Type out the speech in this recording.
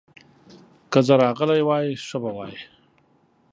که زه راغلی وای، ښه به وای.